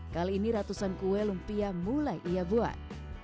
kali ini ratusan kue lumpia mulai ia buat